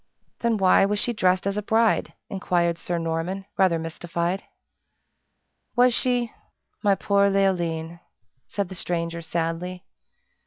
"Then why was she dressed as a bride?" inquired Sir Norman, rather mystified. "Was she? My poor Leoline!" said the stranger, sadly.